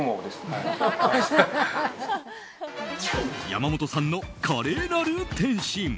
山本さんの華麗なる転身。